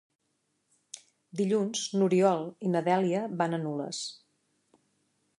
Dilluns n'Oriol i na Dèlia van a Nules.